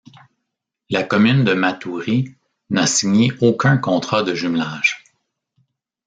La commune de Matoury n'a signé aucun contrat de jumelage.